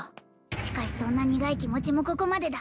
しかしそんな苦い気持ちもここまでだ